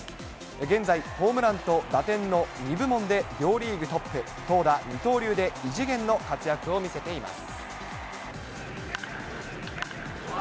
現在、ホームランと打点の２部門で両リーグトップ、投打二刀流で異次元の活躍を見せています。